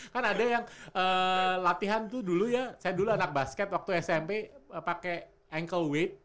kan ada yang latihan tuh dulu ya saya dulu anak basket waktu smp pakai ankle with